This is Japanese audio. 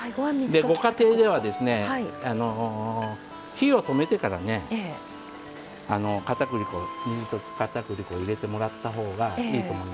ご家庭では火を止めてからね水溶き片栗粉を入れてもらった方がいいと思います。